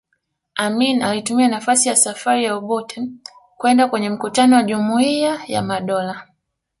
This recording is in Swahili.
Amin alitumia nafasi ya safari ya Obote kwenda kwenye mkutano wa Jumuiya ya Madola